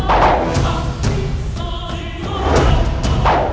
ambil emas agan seberang halmat